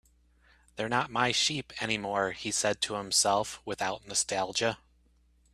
"They're not my sheep anymore," he said to himself, without nostalgia.